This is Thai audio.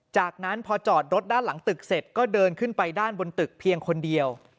จากนั้นพอจอดรถด้านหลังตึกเสร็จก็เดินขึ้นไปด้านบนตึกเพียงคนเดียว